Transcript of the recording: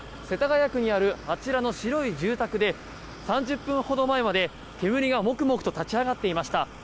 世田谷区にあるあちらの白い住宅で３０分ほど前まで煙がモクモクと立ち上がっていました。